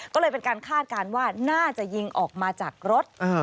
ก็เลยเป็นการคาดการณ์ว่าน่าจะยิงออกมาจากรถ